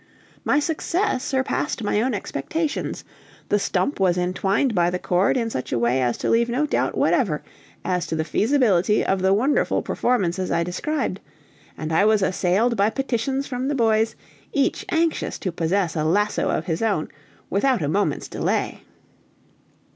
My success surpassed my own expectations; the stump was entwined by the cord in such a way as to leave no doubt whatever as to the feasibility of the wonderful performances I described; and I was assailed by petitions from the boys, each anxious to possess a lasso of his own without a moment's delay.